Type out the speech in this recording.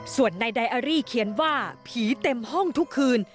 ส่วนในไดอารี่เขียนว่าผีเต็มห้องทุกคืน